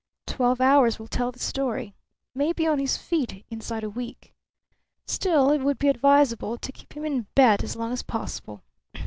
Twelve hours will tell the story. May be on his feet inside a week. Still, it would be advisable to keep him in bed as long as possible.